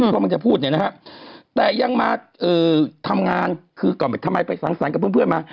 ว่ามันจะพูดเนี่ยนะครับแต่ยังมาทำงานคือก่อนทำไมไปสังสรรค์กับเพื่อนมา